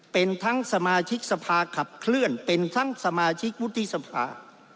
เป็นทั้งสมาชิกสภาขับเคลื่อนเป็นทั้งสมาชิกวุฒิสภา